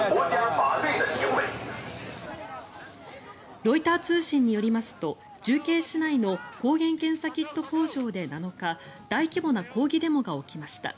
ロイター通信によりますと重慶市内の抗原検査キット工場で７日大規模な抗議デモが起きました。